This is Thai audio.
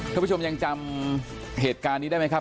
ท่านผู้ชมยังจำเหตุการณ์นี้ได้ไหมครับ